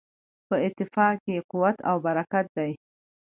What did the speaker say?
په اتفاق کې قوت او برکت دی.